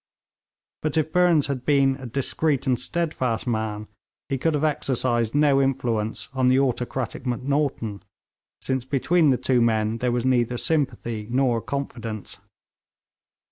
But if Burnes had been a discreet and steadfast man, he could have exercised no influence on the autocratic Macnaghten, since between the two men there was neither sympathy nor confidence.